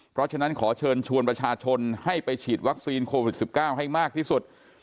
เพราะฉะนั้นขอเชิญชวนประชาชนให้ไปฉีดวัคซีนโควิด๑๙ให้มากที่สุด